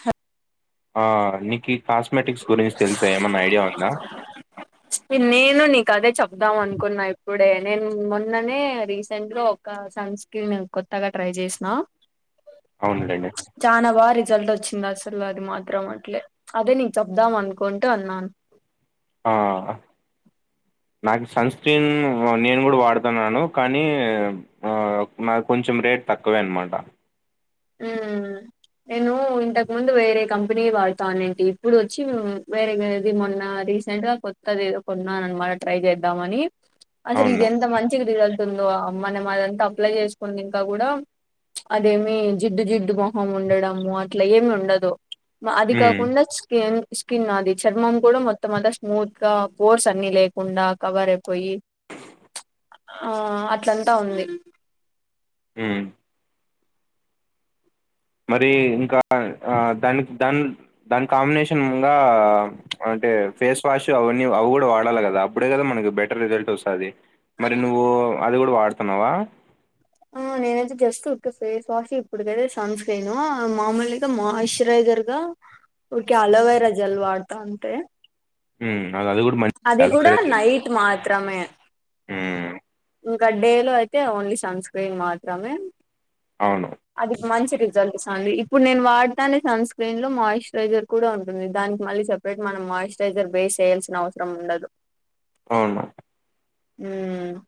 హ ఆ నీకి కాస్మెటిక్స్ గురించి తెల్సా ఏమన్నా ఐడియా ఉందా? ప్చ్ నేను నీకదే చెప్దాం అనుకున్నా ఇప్పుడే నేన్ మొన్ననే రీసెంట్ గా ఒక్ క సన్ స్క్రిన్ కొత్తగా ట్రై చేస్నా? అవున్లేండి చానా బాగా రిజల్ట్ వచ్చింది అసలు అది మాత్రం అట్లే అదే నీక్ చెప్దాం అనుకుంటా అన్నాన్ ఆ నాకి సన్ స్క్రీన్ నేను కూడా వాడుతున్నాను కానీ ఆ నాది కొంచెం రేట్ తక్కవే అన్మాట ఊమ్ నేను ఇంతకు ముందు వేరే కంపెనీవి వాడతా ఉనింటి ఇప్పుడు వచ్చి ఉమ్ వేరేది మొన్న రీస్ సెంట్ గా కొత్తది ఏదో కొన్నానమాట ట్రై చేద్దాం అని అసలు ఇది అవును ఎంత మంచిగ రిజల్ట్ తుందో మనం అదంతా అప్లై చేసుకున్నెంక కూడా అదేమి జిడ్డు జిడ్డు మొహం ఉండడము అట్లా ఏమి ఉండదు అది హ్మ్ కాకుండా స్కిన్ స్కిన్ అది చర్మం కూడా మొత్తం అంతా స్మూత్ గా పోర్స్ అన్ని లేకుండా కవర్ అయిపోయి ఆ అట్లంతా ఉంది ఉమ్మ్ మరి ఇంకా ఆ దానికి దాని దాని కాంబినేషన్ ఇంగ అంటే ఫేస్ వాష్ అవన్నీ అవి కూడా వాడాలి కదా అప్పుడే కదా మనకి బెట ర్ రిజల్ట్ వస్తది మరి నువ్వు అది కూడా వాడుతున్నావా ఆ నేనేయితే జస్ట్ ఊరికే ఫేస్ వాష్ ఇప్పుడయితే సన్స్క్రీన్ను మామూలుగా మాయిచరైజర్ గా ఊరికే అలోవైరా జల్ వాడతా అంతే ఉమ్ అది అది కూడా మన్ అది కూడా నైట్ మాత్రమే ఉమ్మ్ ఇంక డే లో అయితే ఓన్లీ సన్ స్క్రీన్ మాత్రమే అవును అది మంచి రిజల్ట్ ఇస్తంది ఇప్పుడు నేను వాడతానే సన్ స్క్రీన్ లో మాయిశ్చరైజర్ కూడా ఉంటుంది దానికి మళ్ళీ సెప్ ప్రేట్ మనం మాయిశ్చరైజర్ బేస్ ఏయాల్సిన అవసరం ఉండదు అవున ఊమ్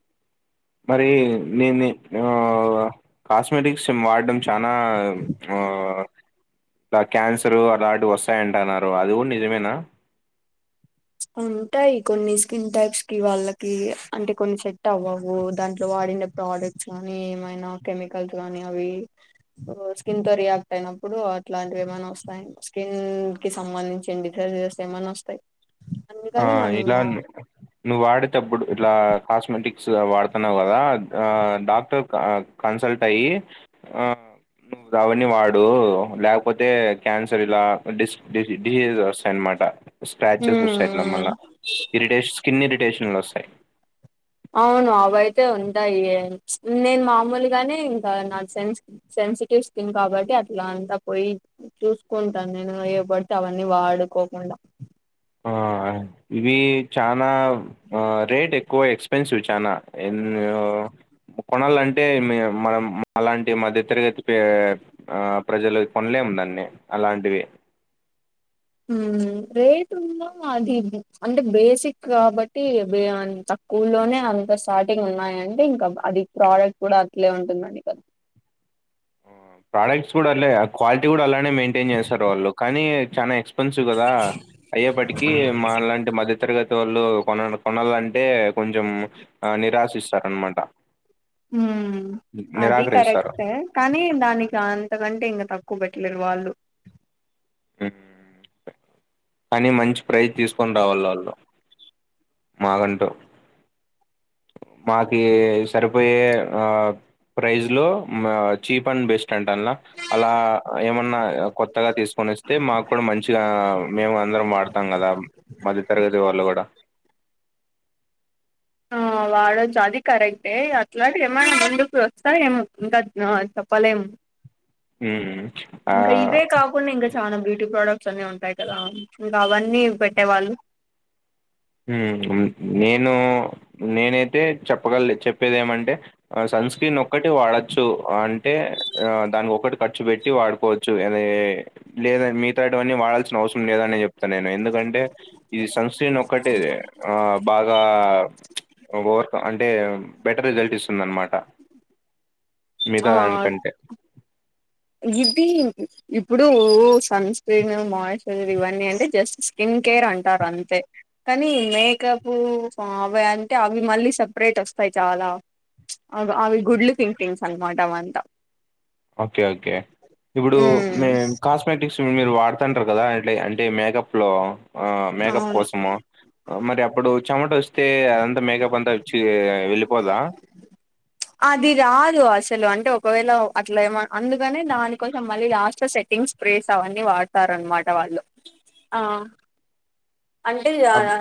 మరి నేనీ ఆ ఒగ కాస్మెటిక్స్ని వాడటం చానా ఆ క్యాన్సరు అలాంటివి వస్తాయంటన్నారు అది కూడా నిజమేనా ఉంటాయి కొన్ని స్కిన్ టైప్స్ కి వాళ్ళకి అంటే కొన్ని సెట్ అవ్వవు దాంట్లో వాడిన ప్రొడక్ట్స్ కానీ ఏమైనా కెమికల్స్ గానీ అవి స్కిన్ తో రియాక్ట్ అయినప్పుడు అట్లాంటివి ఏమైనా వస్తాయి స్కిన్ కి సంబంధించి డిసీజెస్ ఏమన్నొస్తాయ్ ఆ ఇలా నువ్వు వాడేటప్పుడు ఇట్లా కాస్మెటిక్ స్ వాడుతున్నావు కదా ఆ డాక్టర్ కన్సల్ట్ అయి అ నువ్వు అవన్నీ వాడు లేకపోతే క్యాన్సర్ ఇలా డిస్డి డిసీజస్ వస్తాయనమాట స్క్రాచెస్ వస్తాయి ఇట్ల మ్మ్ మల్ల ఇరిటేషన్ స్కిన్ ఇరిటేషన్లు వస్తాయి అవును అవయితే ఉంటాయి నేను మామూలు గానే ఇంకా నా సెన్స్ సెన్సిటివ్ స్కిన్ కాబట్టి అట్లా అంతా పోయి చూసుకుంటాను నేను ఏవి పడితే అవన్నీ వాడుకోకుండా ఆ ఇవి చానా రేట్ ఎక్కువ ఎక్స్ పెన్సివ్ చానా ఎన్నో కొనాలంటే మీ మనం మాలాంటి మధ్య తరగతి పే ఆ ప్రజలు కొనలేము దాన్ని అలాంటివి ఉమ్మ్ రేట్ ఉన్నా అది అంటే బేసిక్ కాబట్టి తక్కువల్లోనే అంత స్టార్టింగ్ ఉన్నాయింటే ఇంక అది ప్రోడక్ట్ కూడా అట్లే ఉంటుందండి కదా ప్రోడక్ట్స్ కూడా అట్లే క్వాలిటీ కూడా అలానే మెయింటైన్ చేస్తారు వాళ్ళు కానీ చానా ఎక్స్ న్సివ్ కదా అయ్యేప్పటికి మాలాంటి మధ్య తరగతి వాళ్ళు కొన కొనాలంటే కొంచెం ఆ నిరాశిస్తారనమాట ఉమ్మ్ అది నిరాకరిస్తారు కరెక్టే కానీ దానికి అంతకంటే ఇంక తక్కువ పెట్టలేరు వాళ్ళు కానీ మంచి ప్రైస్్ తీసుకొని రావాలి వాళ్ళు మాకు అంటు మాకి సరిపోయే ఆ ప్రైజ్ లో మా చీప్ అండ్ బెస్ట్ అంటన్ ల అలా ఏమన్న కొత్తగా తీసుకొని వస్తే మాకు కూడ మంచిగా మేము అందరం వాడతా తాం కదా మధ్య తరగతి వాళ్ళు కూడ ఆ వాడొచ్చు అది కరెక్టే అట్లాంటి ఏమైన ముందుకు వస్తాయి ఏమో ఇంకా చెప్పలేము ఉమ్. ఆ ఇంక ఇవే కాకుండా చాల బ్యూటీ ప్రోడక్ట్స్ అన్ని ఉంటాయి కదా ఇంకా అవన్నీ పెట్టేవాళ్ళు ఉమ్ నేను నేనైతే చెప్పగల చెప్పేది ఏమంటే ఆ సన్ స్క్రీన్ ఒక్కటి వాడొచ్చు ఆ అంటే ఆ దానికి ఒకటి ఖర్చు పెట్టి వాడుకోవచ్ చు అనే లేద మిగతా ఇటువన్నీ వాడాల్సిన అవసరం లేదని చెప్తాను నేను ఎందుకంటే ఇది సంస్ ఒక్కటే బాగా అ అంటే బెటర్ రిజల్ట్ ఇస్తుంది అనమాట మిగతా ఆ దానికంటే ఇది ఇప్పుడు సన్ స్క్రీన్ మాయిశ్చరైజర్ ఇవన్నీ అంటే జస్ట్ స్కిన్ కేర్ అంటారు అంతే కనీ మేకప్ అవి అంటే అవి మళ్ళీ సప్రేట్ వస్తాయి చాలా ఆ అవి గుడ్లు థింకింగ్స్ అనమాట అవి అంత ఓకే ఓకే ఇప్పుడు ఉమ్ మే కాస్ కాస్మటిక్స్ మీరు వాడుతా ఉంటారు కదా అ అంటే మేకప్ లో మేకప్ అవును కోసము మరి అప్పుడు చెమట వస్తే అదంతా మేకప్ అంతా వచ్చి వెళ్ళిపోదా అది రాదు అసలు అంటే ఒకవేళ అట్ల ఏమో అందుకనే దానికోసం మళ్ళీ లాస్ట్ లో సెట్టింగ్స్ ప్రేస్ అవన్నీ వాడతారన్మాట వాళ్ళు ఆ అంటే అబ్ జరా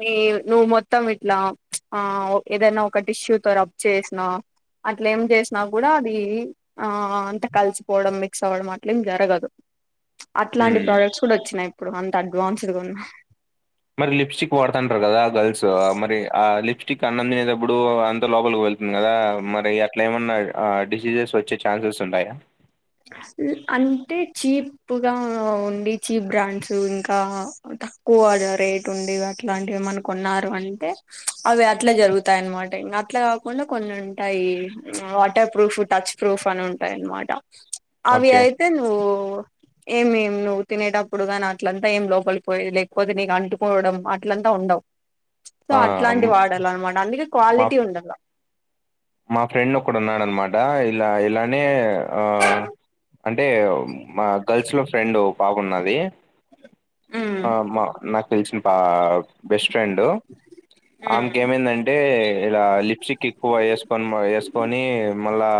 నె నువ్వు మొత్తం ఇట్లా ఆ ఏదనా ఒక టిష్యూ తో రబ్ చేసినా అట్లే ఏం చేసినా కూడా అది ఆ అంత కలిసిపోవడం మిక్స్ అవ్వడం అట్లేం జరగదు అట్లాంటి హ్మ్ ప్రోడక్ట్స్ కూడ వచ్చినయి ఇప్పుడు అంత అడ్వాన్స్డ్గా ఉన్నా మరి లిప్స్టిక్ వాడుతంటారు కదా గర్ల్స్ మరి ఆ లిప్స్ట టిక్ అన్నం తినేటప్పుడు అంత లోపలికి వెళ్తుంది కదా మరి అట్ల ఏమన్నా డిసీజెస్ వచ్చే ఛాన్సెస్ ఉంటాయ అంటే చీప్ తక్కువగా ఉండి చీప్ బ్రాండ్స్ ఇంకా తక్కువ రేట్ ఉే అట్లాంటివి మన కొన్నారు అంటే అవి అట్ల జరుగుతాయి అన్నమాట ఇంకా అట్లా కాకుండ కొన్ని ఉంటాయి వాటర్ ప్రూఫ్ టచ్ ప్రూఫ్ అని ఉంటాయి అనమాట అవి ఓకే అయితే నువ్వు ఏమేం నువ్వు తినేటప్పుడు నీ అట్లంతా ఏం లోపలి పోయ లేకపోతే నీకు అంటుకోవడం అట్ల అంతా ఉండవు సో ఆ అట్లాంటి వాడాల అనమాట అందుకే మా క్వాలిటీ ఉండాల మా ఫ్రెండ్ ఒకడు ఉన్నాడు అనమాట ఇలా ఇలానే ఆ అంటే మా గర్ల్స్ లో ఫ్రెండ్ ఒకా [unintelligible] ఉన్నది ఉమ్ ఆ మా నాకు తెలిసిన పా బెస్ట్ ఫ్రెండ్ ఉమ్ ఆమెకి ఏమైందంటే ఇలా లిప్స్టిక్ ఎక్కువ ని వేసుకొని మళ్ళా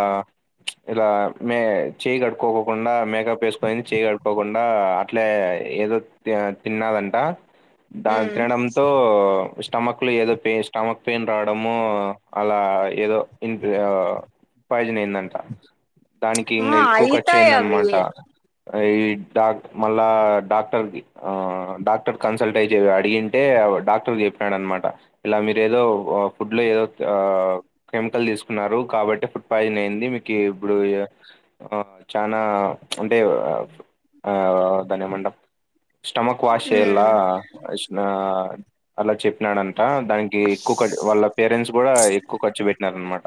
ఇలా మే చేయి కట్టుకోకుండా మ మేకప్ వేసుకొని చెయ్యి కడుక్కోకుండా అట్లే ఏదో తిన్నదంట దాని ఉమ్ తినడంతో స్టమక్ లో ఏదో పెయి స్టమక్ పెయిన్ రావడము అలా ఏదో ఇన్ పాయిజన్ అయిందంట దానికి ఆ ఇంకా ఎక్కువ ఖర్చు అయితాయి అవి అయ్యిందన్నమాట ఈ డాక్ మళ్ళా డాక్టర్ ఆ డాక్టర్ కన్సల్ట్ అయ్యి అడిగి అడిగితే డాక్టర్ చెప్పాడు అనమాట ఇలా మీరు ఏదో ఫుడ్ లో ఏదో కెమికల్ తీసుకున్నారు కాబట్టి ఫుడ్ పాయిజన్ అయింది మీకు ఇప్పుడు ఆ చనా అంటే ఆ దాన్నేమంటారు స్టమక్ వాషే చేయాలా ఉమ్ అని అలా చెప్పినాడంట దానికి ఎక్కువ వాళ్ళ పేరెంట్స్ కూడా ఎక్కువ ఖర్చు పెట్టినార అనమాట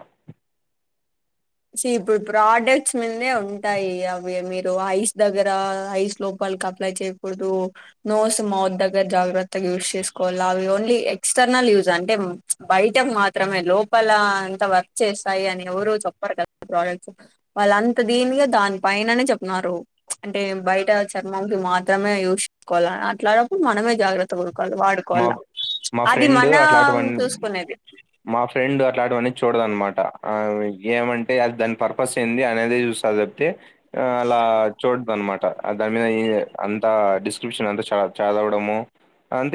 సి ఇప్పుడు ప్రోడక్ట్స్ మీదే ఉంటాయి అవి మీరు ఐస్ దగ్గర ఐస్ లో పల్ కి అప్లై చేయకూడదు నోస్ మౌత్ దగ్గర జాగ్రత్తగా యూస్ చేసుకోవాలి అవి ఓన్లీ ఎక్స్టర్నల్ యూస్ అంటే బయటకు మాత్రమే లోపల అంత వర్క్ చేస్తాయి అని ఎవరుూ చెప్పారు కదా ప్రోడక్ట్స్ వాళ్ళంత దీనిగా దాని పైన అనే చెప్న్నారు అంటే బయట చర్మం కి మాత్రమే యూజ్ చేసుకోవాలని అట్లాటప్పుడు మనమే జాగ్రత్త పడుకోవాలి వాడు మా కోవాలా మా అది ఫ్రెండ్ మనం అట్లాంటివన్నీ చూసుకునేది మా ఫ్రెండ్ అలాంటివన్నీ చూడదు అనమాట ఏమంటే అది దాని పర్పస్ ఏంది అనేదే చూస్తది పితే ఆ అలా చూడదు అన్నమాట దాని మీద ఈ అంతా డిస్క్రిప్షన్ అంత చ చదవడము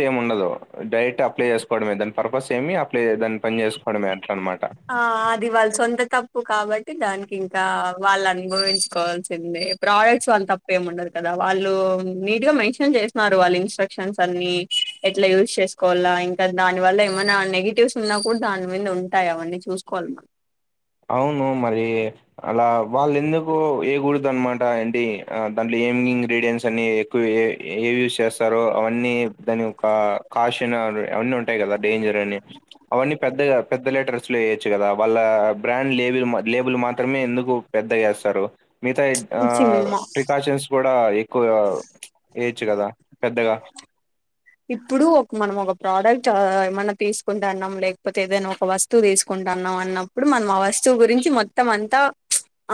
ఏమి ఉండదు డైరెక్ట్ అప్లై చేసుకోవడమే దని పర్పస్ ఏమి అప్లై దాని చేసుకోవడమే అట్ల అనమాట ఆ అది వాళ్ళ సొంత తప్పు కాబట్టి దానికి ఇంకా వాళ్ళు అనుభవించుకోవాల్సిందే ప్రోడక్ట్స్ వాళ్ళ తప్పేమి ఉండదు కదా వాళ్ళు నీట్ గా మెన్షన్ చేసినన్నారు వాళ్ళ ఇన్స్ట్రక్షన్స్ అన్ని ఎట్లా యూజ్ చేసుకోవాలా ఇంకా దాని వల్ల ఏమైనా నెగటివ్స్ ఉన్నా కూడా దాని మీద ఉంటాయి అవన్నీ చూసుకోవాలి మనం అవును మరి అలా వాళ్ళ ఎందుకు ఏకూడదు అన్నమాట ఏంటి దాంట్లో ఏమి ఇంగ్రీడియంట్స్ అని ఏ యూస్ చేస్తారో అవన్నీ దాని యోక్క కాస్ట్ అయినా అవన్న ఉ కదా డేంజర్ అని అవన్నీ పెద్ద పెద్ద లీటర్స్ లో వేయొచ్చు కదా వాళ్ళ బ్రాండ్ లేబుల్ లేబుల్ మాత్రమే ఎందుకు పెద్ద వేస్తారు మిగతా ఆ చి ప్రికాషన్స్ కూడా ఎక్కువ వేయచ్చు కదా పెద్దగా ఇప్పుడు ఒక మనం ఒక ప్రోడక్ట్ ఏమన్నా తీసుకుంటే అన్నాం లేకపోతే ఏదైనా ఒక వస్తు వస్తు తీసుకుంటాన్నాం అన్నప్పుడు మనం ఆ వస్తువు గురించి మొత్తం అంతా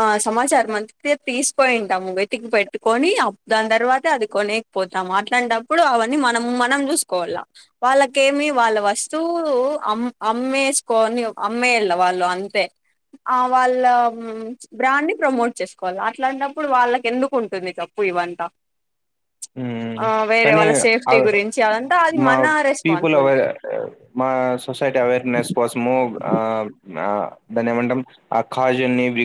ఆ సమాచారం అంత తీసుకోయింటాము వెతికి పెట్టుకొని దాని తర్వాత అది కొనే పోతాం అట్లాంటప్పుడు అవన్నీ మనం మనం చూసుకోవాలా వాళ్ళకేమి వాళ్ళ వస్తువు అమ్ అమ్మేసుకొని అమ్మేళ వాళ్ళు అంతే ఆ వాళ్ళ బ్రాండ్ ని ప్రమోట్ చేసుకోవాలి అట్లాంటప్పుడు వాళ్ళకి ఎందుకు ఉంటుంది తప్పు ఇవంతా ఉ ఆ వేరే వాళ్ళ సేఫ్టీ గురించి అదంటే అది మా మన పీపుల్ అవేర్ రెస్పాన్సిబిలిటీ మా సొసైటీ అవేర్నెస్ కోసము దాని ఏమంటాం ఆ కాజునివి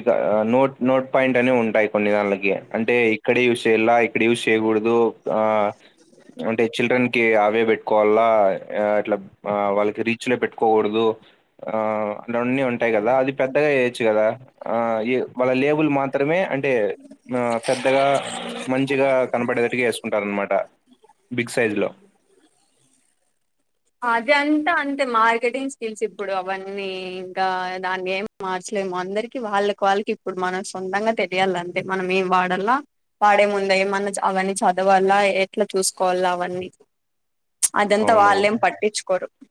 నోట్ నోట్ పాయింట్ అని ఉంటాయి కొన్ని దన్లకి అంటే ఎక్కడ యూష్ చేయాలా ఎక్కడ యూష్ చేయకూడదు ఆ అంటే చిల్డ్రన్ కి అవే బెట్టుకోవాలా ఆ అట్లా ఆ వాళ్ళకి రీచ్ లో పెట్టుకోగూడదు ఆ రన్ని ఉంటాయ్ గదా అది పెద్దగా జేయొచ్చు గదా ఆ యో మళ్ళ లేబుల్ మాత్రమే అంటే ఆ పెద్దగా మంచిగా కనపడేటట్టు చేసుకుంటారన్నమాట బిగ్ సైజ్ లో ఆ అదంతా అంతే మార్కెటింగ్ స్కిల్స్ ఇప్పుడు అవన్నీ ఇంకా దాన్ని ఏం మార్చలేము అందరికి వాళ్ళకి వాళ్ళకి ఇప్పుడు మనం సొంతంగా తెలియాలి అంతే మనం ఏం వాడాల్ల వాడే ముందే మన అవన్నీ చదవాలా ఎట్లా చూసుకోవాల అవన్నీ అదంతా అవును వాళ్ళెం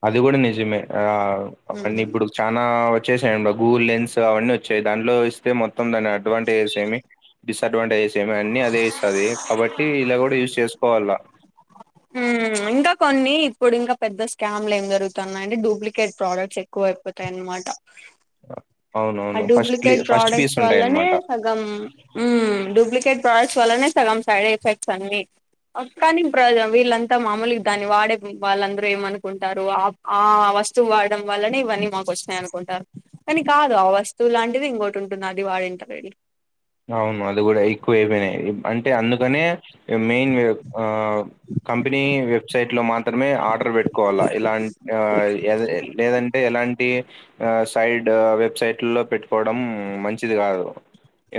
అది గూడా నిజమే ఆ అవన్నీ ఇప్పుడు చానా వచ్చేసాయంట గూగుల్ లెన్స్ అవన్నీ వచ్చాయి దాంట్లో ఇస్తే మొత్తం దాని అడ్వాంటేజెస్ ఏమి డిస్ అడ్వాంటేజెస్ ఏమి అన్నీ అదే ఇస్తది కాబట్టి ఇలా గూడా యూజ్ చేసుకోవాలా ఉమ్ ఇంకా కొన్ని ఇప్పుడు ఇంకా పెద్ద స్కామ్ లు ఏం జరుగుతున్నాయి అంటే డూప్లికేట్ ప్రొడక్ట్స్ ఎక్కువ ఐపోతాయి అన్నమాట ఆ అవునవును ఫస్ట్ ప ఫస్ట్ పీస్ ఉంటాయి అన్నమాట గం ఉమ్ డూప్లికేట్ ప్రొడక్ట్స్ వల్లనే సగం సైడ్ ఎఫెక్ట్స్ అన్ని ఓ కానీ ప్రజం వీళ్ళంతా మామూలుగా దాన్ని వాడే వాళ్ళందరూ ఏమనుకుంటారు ఆ ఆ వస్తువు వాడడం వల్లనే ఇవన్నీ మాకు వచ్చినయి అనుకుంటారు కాని కాదు ఆ వస్తువు లాంటిది ఇంకోటి ఉంటుంది అది వాడి ఉంటరు వీళ్ళు అవును అది గూడా ఎక్కువ అయిపోయినయ్ అంటే అందుకనే ఏ మెయిన్ ఆ కంపెనీ వెబ్సైట్ లో మాత్రం మాత్రమే ఆర్డర్ పెట్టుకోవాలా ఇలా లేదంటే ఎలాంటి ఆ సైడ్ వెబ్సైట్లలో పెట్టుకోవడం మంచిది గాదు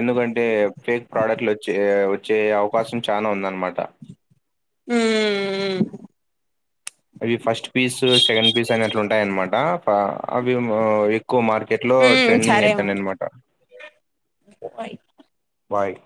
ఎందుకంటే ఫేక్ ప్రొడక్ట్స్ వచ్చే వచ్చే అవకాశం చానా ఉంది అన్నమాట ఉమ్ అవి ఫస్ట్ పీసు సెకండ్ పీసు అనే అట్లుంటాయి అన్నమాట అవి ఎక్కువ మార్కెట్ లో మ్మ్ ట్రెండింగ్ సరే అయితున్నయ్ మరి అన్నమాట బాయ్